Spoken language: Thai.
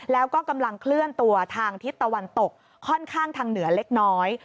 แล้วก็กำลังเคลื่อนตัวทางทิศตะวันตกค่อนข้างทางเหนือเล็กน้อย